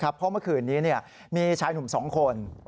เพราะเมื่อคืนนี้มีชายหนุ่ม๒คน